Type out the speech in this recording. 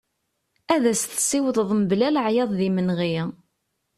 Ad as-tessiwḍeḍ mebla leɛyaḍ d yimenɣi.